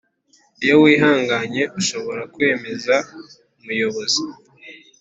Iyo wihanganye ushobora kwemeza umuyobozi